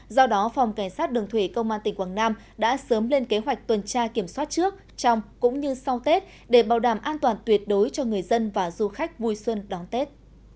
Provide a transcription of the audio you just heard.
do đó phòng cảnh sát đường thủy công an tỉnh quảng nam đã sớm lên kế hoạch tuần tra kiểm soát trước trong cũng như sau tết để bảo đảm an toàn tuyệt đối cho người dân và du khách vui xuân đón tết